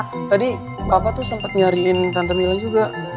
oh iya tadi papa tuh sempet nyariin tante mila juga